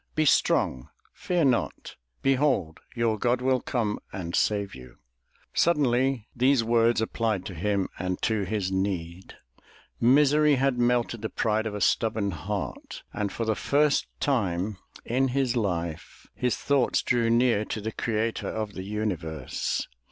Be strong, fear not; behold, your God will come ... and save you." Suddenly those words applied to him and to his need. Misery had melted the pride of a stubborn heart, and for the first time 336 THE TREASURE CHEST in his life, his thoughts drew near to the Creator of the universe.